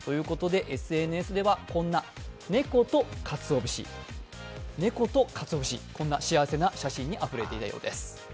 ＳＮＳではこんな猫とかつお節、こんな幸せな写真にあふれていたようです。